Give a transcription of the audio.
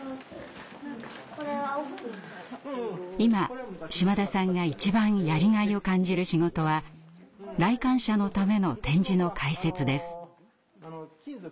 今島田さんが一番やりがいを感じる仕事は来館者のための展示の解説です。